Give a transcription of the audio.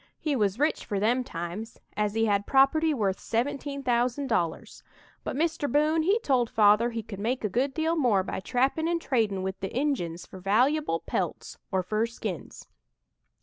He was rich for them times, as he had property worth seventeen thousand dollars; but Mr. Boone he told Father he could make a good deal more by trappin' and tradin' with the Injuns for valuable pelts, or fur skins.